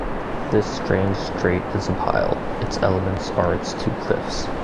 This strange strait is a pile; its elements are its two cliffs.